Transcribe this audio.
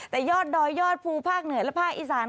แต่ยอดดอยยอดภูภาคเหนือและภาคอีสาน